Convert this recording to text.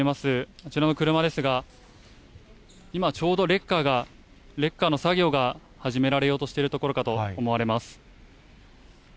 こちらの車ですが、今ちょうどレッカーが、レッカーの作業が始められようとしているところかと思われます。